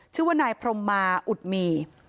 ชื่อว่านายพรมมาอุดหมี